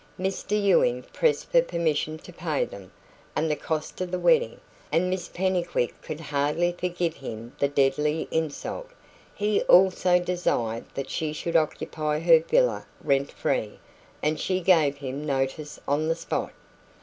Mr Ewing pressed for permission to pay them, and the cost of the wedding, and Miss Pennycuick could hardly forgive him the deadly insult. He also desired that she should occupy her villa rent free, and she gave him notice on the spot.